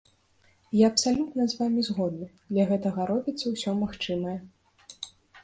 Я абсалютна з вамі згодны, для гэтага робіцца ўсё магчымае.